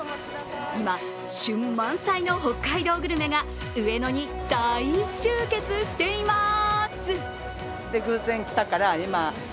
今、旬満載の北海道グルメが上野に大集結しています。